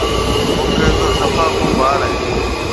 مڪيش تو سڦا ڪو ٻاݪ هيَ۔